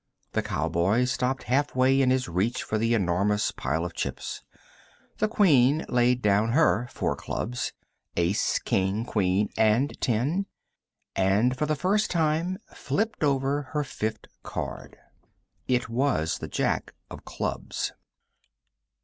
The cowboy stopped halfway in his reach for the enormous pile of chips. The Queen laid down her four clubs Ace, King, Queen and ten and for the first time flipped over her fifth card. It was the Jack of clubs.